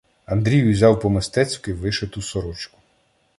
Андрій узяв по-мистецьки вишиту сорочку.